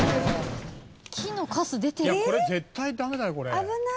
「これ絶対ダメだよこれ。